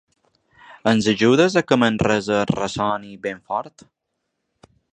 Ens ajudes a que Manresa ressoni ben fort?